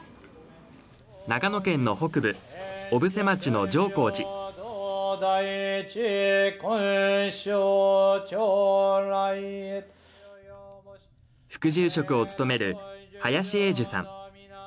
長野県の北部、小布施町の浄光寺副住職を務める林映寿さん。